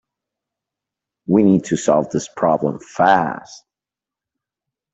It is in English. We need to solve this problem fast.